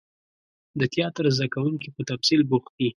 د تیاتر زده کوونکي په تمثیل بوخت دي.